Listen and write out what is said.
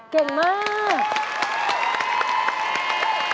เก่งมาก